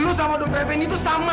kamu dan dokter refendi itu sama